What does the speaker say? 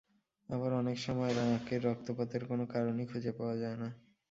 আবার অনেক সময় নাকের রক্তপাতের কোনো কারণই খুঁজে পাওয়া যায় না।